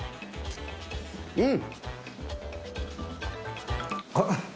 うん！